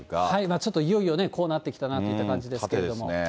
ちょっといよいよね、こうなってきたなという感じですけれども。